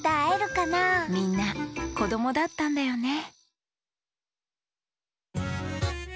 みんなこどもだったんだよね